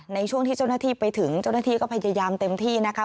ในช่วงที่เจ้าหน้าที่ไปถึงเจ้าหน้าที่ก็พยายามเต็มที่นะคะ